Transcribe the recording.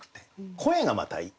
声がまたいい。